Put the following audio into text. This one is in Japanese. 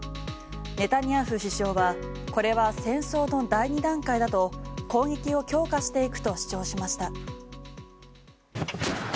ネタニヤフ首相はこれは戦争の第２段階だと攻撃を強化していくと主張しました。